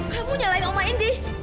kamu nyalahin oma indi